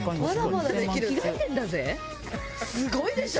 すごいでしょ！